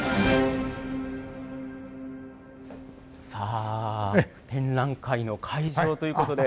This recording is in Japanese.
さあ展覧会の会場ということで。